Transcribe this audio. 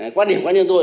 quan điểm của cá nhân tôi